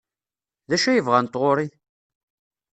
D acu ay bɣant ɣer-i?